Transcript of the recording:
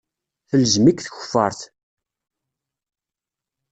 Telzem-ik tkeffart.